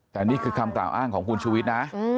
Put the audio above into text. แต่นี่คือคำกล่าวอ้างของคุณชูวิทย์นะ